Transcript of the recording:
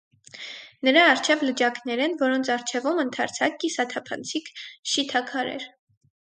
Նրա առջև լճակներ են, որոնց առջևում՝ ընդարձակ, կիսաթափանցիկ շիթաքարեր։